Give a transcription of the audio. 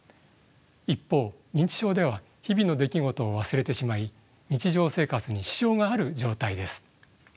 一方認知症では日々の出来事を忘れてしまい日常生活に支障がある状態です。